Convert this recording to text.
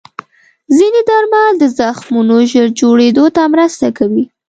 ځینې درمل د زخمونو ژر جوړېدو ته مرسته کوي.